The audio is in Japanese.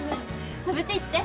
食べていって！